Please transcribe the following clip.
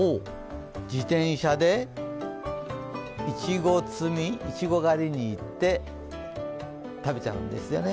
自転車で、いちご狩りに行って食べちゃうんですね。